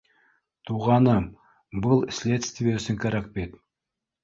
Туғаным, был следствие өсөн кәрәк бит